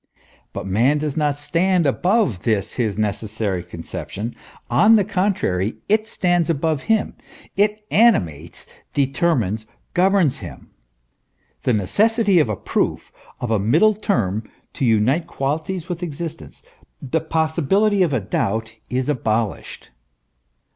But man does not stand above this his necessary conception; on the contrary, it stands above him; it animates, determines, governs him. The necessity of a proof, of a middle term to unite qualities with existence, the possibility of a doubt, is abolished.